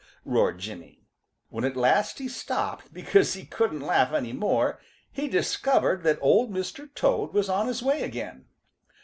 roared Jimmy. When at last he stopped because he couldn't laugh any more, he discovered that Old Mr. Toad was on his way again.